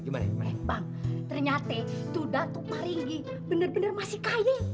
bang ternyata itu datuk maringgi benar benar masih kaya